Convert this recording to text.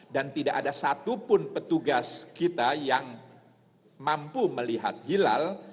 dan tidak ada satu pun petugas kita yang mampu melihat hilal